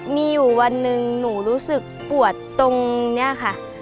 มีอยู่วันหนึ่งหนูรู้สึกปวดตรงนี้ค่ะ